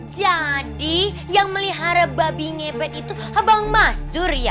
jadi yang melihara babi ngepet itu bang mastur ya